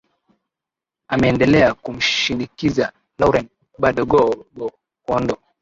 ameendelea kumshinikiza lauren badgbo kuondo